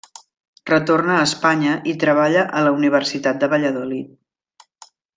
Retorna a Espanya i treballa a la Universitat de Valladolid.